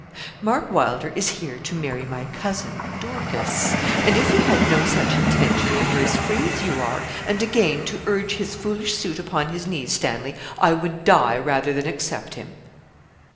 'Mark Wylder is here to marry my cousin, Dorcas; and if he had no such intention, and were as free as you are, and again to urge his foolish suit upon his knees, Stanley, I would die rather than accept him.'